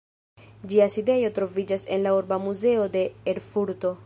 Ĝia sidejo troviĝas en la "Urba muzeo" de Erfurto.